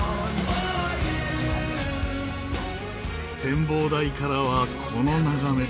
展望台からはこの眺め。